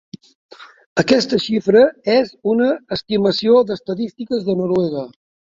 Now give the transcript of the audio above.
Aquesta xifra és una estimació d'Estadístiques de Noruega.